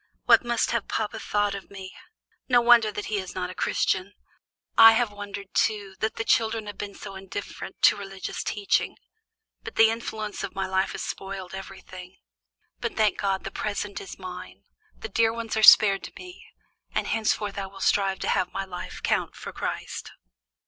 What must have papa thought of me? No wonder that he is not a Christian. I have wondered, too, that the children have been so indifferent to religious teaching, but the influence of my life has spoiled everything. But, thank God! the present is mine, my dear ones are spared to me, and henceforth I will strive to have my life count for Christ."